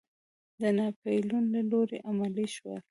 د ناپیلیون له لوري عملي شول.